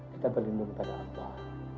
kita berlindung kepada allah